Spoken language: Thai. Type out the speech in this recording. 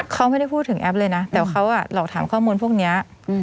เขาไม่ได้พูดถึงแอปเลยนะแต่เขาหลอกถามข้อมูลพวกนี้